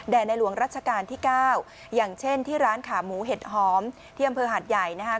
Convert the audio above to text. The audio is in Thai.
ในหลวงรัชกาลที่๙อย่างเช่นที่ร้านขาหมูเห็ดหอมที่อำเภอหาดใหญ่นะคะ